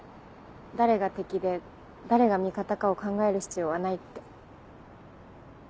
誰が敵で誰が味方かを考える必要はないって。